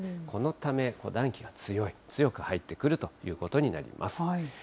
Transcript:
このため、暖気が強い、強く入ってくるということになります。